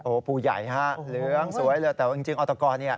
โอ้โหผู้ใหญ่ฮะเหลืองสวยเลยแต่ว่าจริงออตกรเนี่ย